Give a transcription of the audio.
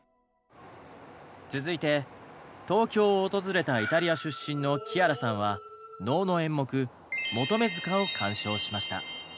続いて東京を訪れたイタリア出身のキアラさんは能の演目「求塚」を鑑賞しました。